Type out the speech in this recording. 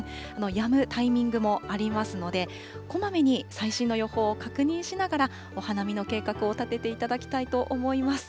やむタイミングもありますので、こまめに最新の予報を確認しながら、お花見の計画を立てていただきたいと思います。